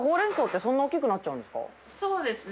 そうですね